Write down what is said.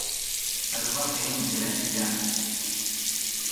Es va fer un silenci llarg.